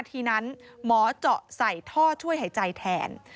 ทีนั้นหมอเจาะใส่ท่อช่วยหายใจแทน